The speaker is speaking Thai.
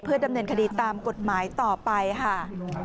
ดำเนินคดีตามกฎหมายต่อไปค่ะ